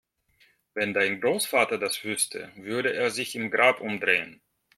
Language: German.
Wenn dein Großvater das wüsste, würde er sich im Grab umdrehen!